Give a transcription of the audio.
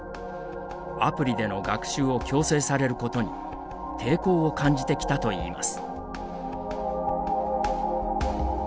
アプリでの学習を強制されることに抵抗を感じてきたといいます。